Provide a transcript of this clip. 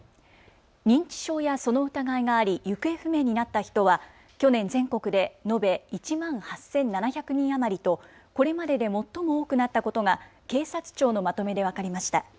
認知症やその疑いがあり行方不明になった人は去年全国で延べ１万８７００人余りとこれまでで最も多くなったことが警察庁のまとめで分かりました。